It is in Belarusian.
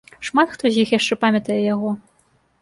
Шмат хто з іх яшчэ памятае яго.